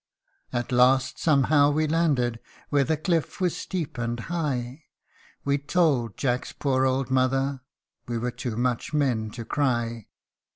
At last, somehow we landed Where the cliff was steep and high ; We told Jack's poor old mother, (We were too much men to cry.)